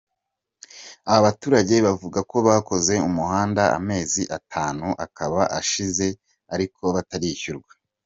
Aba baturage bavuga ko bakoze umuhanda, amezi atanu akaba ashize ariko batarishyurwa.